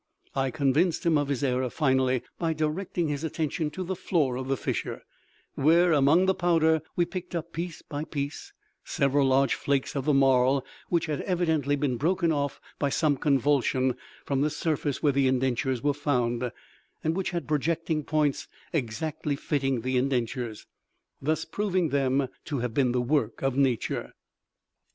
I convinced him of his error, finally, by directing his attention to the floor of the fissure, where, among the powder, we picked up, piece by piece, several large flakes of the marl, which had evidently been broken off by some convulsion from the surface where the indentures were found, and which had projecting points exactly fitting the indentures; thus proving them to have been the work of nature.